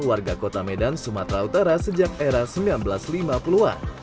warga kota medan sumatera utara sejak era seribu sembilan ratus lima puluh an